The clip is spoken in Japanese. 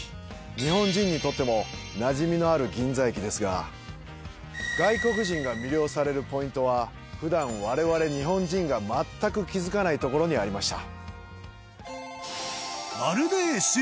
日本人にとってもなじみのある銀座駅ですが外国人が魅了されるポイントは普段、我々日本人が全く気付かないところにありました。